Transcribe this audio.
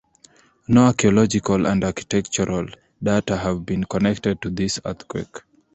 No archaeological and architectural data have been connected to this earthquake.